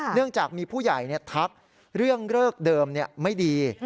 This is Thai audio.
เนื่องจากมีผู้ใหญ่ทักเรื่องเลิกเดิมไม่ดี